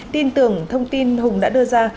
tin tưởng thông tin hùng đã đưa ra